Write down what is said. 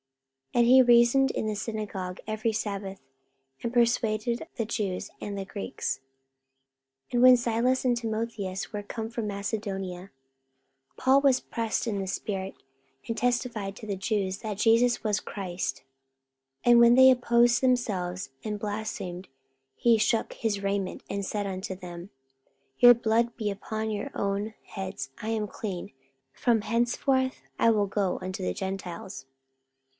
44:018:004 And he reasoned in the synagogue every sabbath, and persuaded the Jews and the Greeks. 44:018:005 And when Silas and Timotheus were come from Macedonia, Paul was pressed in the spirit, and testified to the Jews that Jesus was Christ. 44:018:006 And when they opposed themselves, and blasphemed, he shook his raiment, and said unto them, Your blood be upon your own heads; I am clean; from henceforth I will go unto the Gentiles.